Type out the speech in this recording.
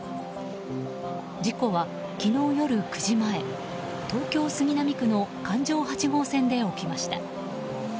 事故は昨日夜９時前東京・杉並区の環状八号線で起きました。